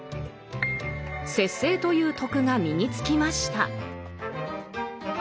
節制という「徳」が身につきました。